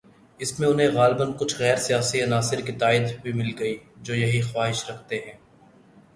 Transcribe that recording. اس میں انہیں غالباکچھ غیر سیاسی عناصر کی تائید بھی مل گئی ہے" جو یہی خواہش رکھتے ہیں۔